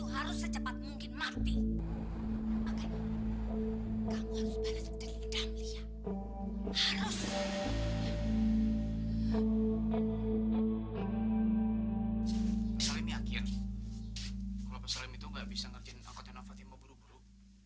hai saling akhir akhir itu nggak bisa ngerjain akutnya fatimah buru buru